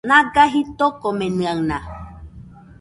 Naga jitokomenɨaɨna